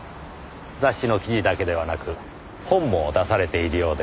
雑誌の記事だけではなく本も出されているようで。